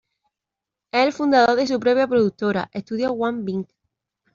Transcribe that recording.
Es el fundador de su propia productora, Estudios Wang Bing.